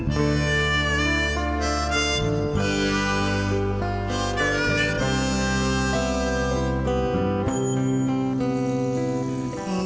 เพลง